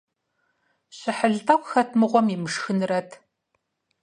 Щыхьэл тӀэкӀу хэт мыгъуэм имышхынрэт!